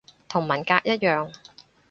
同文革一樣